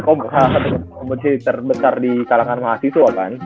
kompetisi terbesar di kalangan mahasiswa kan